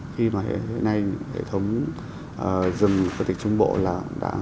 khi mà hiện nay hệ thống rừng các tỉnh trung bộ là đang nằm trong cái mức độ cảnh báo cao